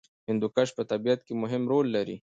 هندوکش په طبیعت کې مهم رول لري.